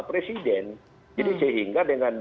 presiden jadi sehingga dengan